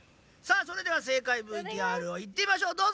さあそれでは正解ＶＴＲをいってみましょう。